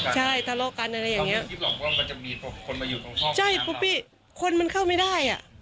ใช่ทะเลาะกันอะไรอย่างเงี้ยมีคนมาอยู่ตรงใช่พี่คนมันเข้าไม่ได้อ่ะ